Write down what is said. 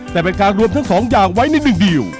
แต่เป็นการรวมทั้งสองอย่างไว้ในบีล